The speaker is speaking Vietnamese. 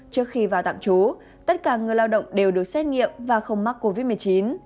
trước khi vào tạm trú tất cả người lao động đều được xét nghiệm và không mắc covid một mươi chín